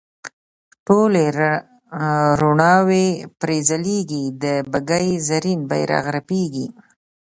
ټولې روڼاوې پرې ځلیږي د بګۍ زرین بیرغ رپیږي.